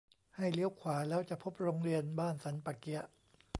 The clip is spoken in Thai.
ให้เลี้ยวขวาแล้วจะพบโรงเรียนบ้านสันป่าเกี๊ยะ